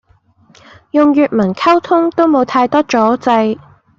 用粵文溝通都冇太多阻滯